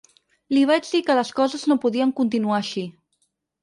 Li vaig dir que les coses no podien continuar així.